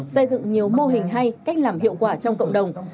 xây dựng nhiều mô hình hay cách làm hiệu quả trong cộng đồng